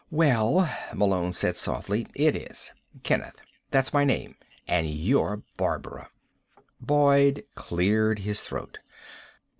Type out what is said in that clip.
"Well," Malone said softly, "it is. Kenneth. That's my name. And you're Barbara." Boyd cleared his throat.